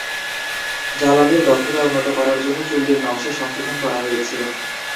জ্বালানির দক্ষতা উন্নত করার জন্য চুল্লীর নকশা সংশোধন করা হয়েছে।